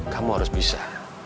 kamu harus bisa